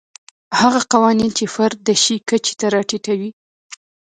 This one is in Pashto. هغه قوانین چې فرد د شي کچې ته راټیټوي.